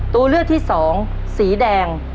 ตัวเลือกที่สองสีแดง